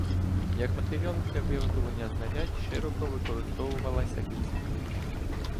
Як матеріал для виготовлення знарядь широко використовувалася кістка.